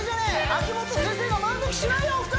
秋元先生が満足しないよお二人